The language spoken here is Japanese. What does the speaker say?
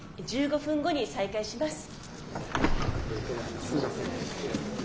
１５分後に再開します。